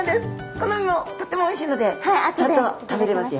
この身もとってもおいしいのでちゃんと食べれますよ。